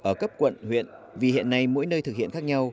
ở cấp quận huyện vì hiện nay mỗi nơi thực hiện khác nhau